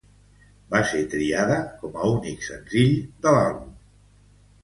Va ser triada com a únic senzill de l'àlbum.